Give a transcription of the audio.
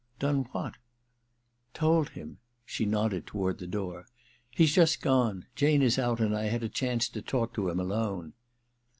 * Done what ?'* Told him/ She nodded toward the door. * He's just gone. Jane is out, and I had a chance to talk to him alone.'